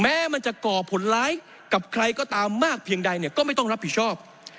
แม้มันจะก่อผลร้ายกับใครก็ตามมากเพียงใดเนี่ยก็ไม่ต้องรับผิดชอบ